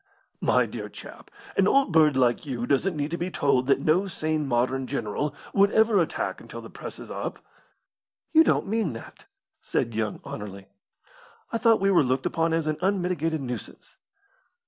"My dear chap, an old bird like you doesn't need to be told that no sane modern general would ever attack until the Press is up." "You don't mean that?" said young Anerley. "I thought we were looked upon as an unmitigated nuisance."